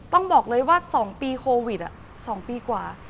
ต้องบอกเลยว่า๒ปีโควิด๒ปีกว่า